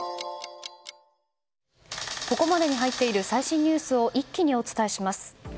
ここまでに入っている最新ニュースを一気にお伝えします。